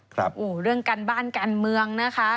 ค่ะเรื่องกันบ้านกันเมืองนะคะ